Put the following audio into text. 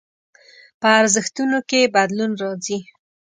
په ارزښتونو کې يې بدلون راځي.